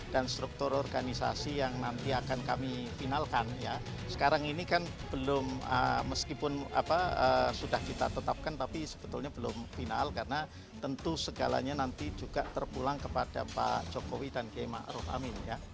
dan struktur organisasi yang nanti akan kami finalkan sekarang ini kan belum meskipun sudah kita tetapkan tapi sebetulnya belum final karena tentu segalanya nanti juga terpulang kepada pak jokowi dan jokowi ma'ruf amin